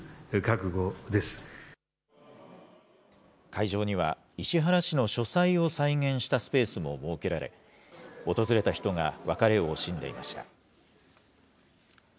会場には、石原氏の書斎を再現したスペースも設けられ、訪れた人が別れを惜しんでいました。